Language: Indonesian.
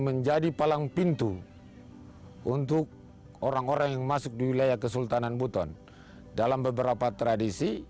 menjadi palang pintu untuk orang orang yang masuk di wilayah kesultanan buton dalam beberapa tradisi